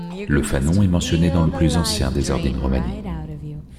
Le fanon est mentionné dans le plus ancien des Ordines romani.